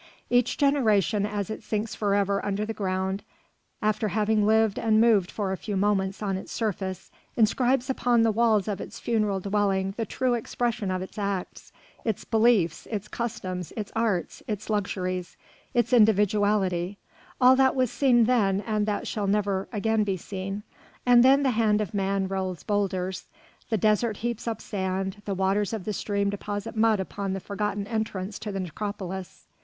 Each generation, as it sinks forever under the ground, after having lived and moved for a few moments on its surface, inscribes upon the walls of its funeral dwelling the true expression of its acts, its beliefs, its customs, its arts, its luxuries, its individuality, all that was seen then and that shall never again be seen, and then the hand of man rolls boulders, the desert heaps up sand, the waters of the stream deposit mud upon the forgotten entrance to the necropolis.